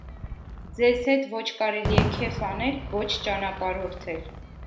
ձեզ հետ ոչ կարելի է քեֆ անել, ոչ ճանապարհորդել.